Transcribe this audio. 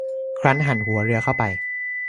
ครั้นหันหัวเรือเข้าไป